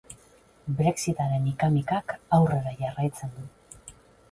Brexitaren ika-mikak aurrera jarraitzen du.